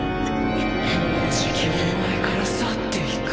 もうじきお前から去っていく。